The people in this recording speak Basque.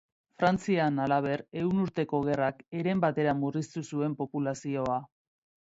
Frantzian, halaber, Ehun Urteko Gerrak heren batera murriztu zuen populazioa.